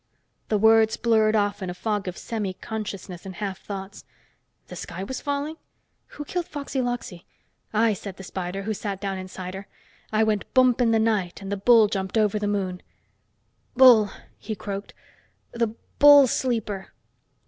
The words blurred off in a fog of semiconsciousness and half thoughts. The sky was falling? Who killed Foxy Loxy? I, said the spider, who sat down insider, I went boomp in the night and the bull jumped over the moon.... "Bull," he croaked. "The bull sleeper!"